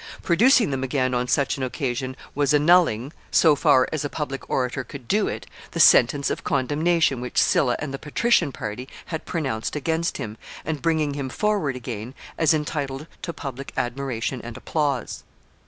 Producing them again on such an occasion was annulling, so far as a public orator could do it, the sentence of condemnation which Sylla and the patrician party had pronounced against him, and bringing him forward again as entitled to public admiration and applause.